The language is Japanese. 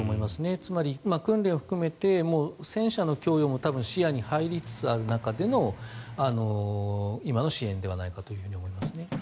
つまり訓練を含めて戦車の供与も視野に入りつつある中での今の支援ではないかと思います。